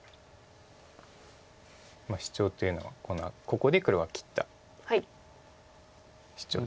シチョウというのはここで黒が切ったシチョウです。